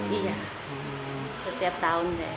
iya setiap tahun saja